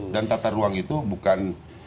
dan tata ruang itu bukan